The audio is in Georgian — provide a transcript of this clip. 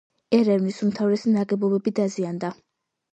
ერევნის უმთავრესი ნაგებობები დაზიანდა.